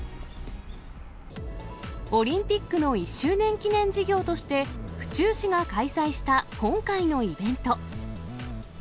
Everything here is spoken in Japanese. オリンピックの１周年記念事業として府中市が開催した今回のイベント。